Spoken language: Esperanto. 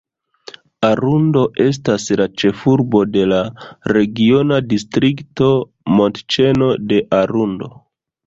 Arundo estas la ĉefurbo de la regiona distrikto "Montĉeno de Arundo".